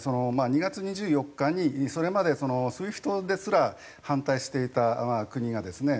２月２４日にそれまでＳＷＩＦＴですら反対していた国がですね